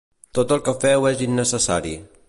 Tot el que feu és innecessari.